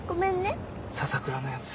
笹倉のやつ。